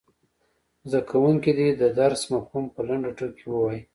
زده کوونکي دې د درس مفهوم په لنډو ټکو کې ووايي.